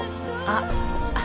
あっ。